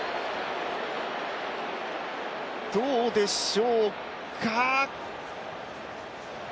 どうでしょうか？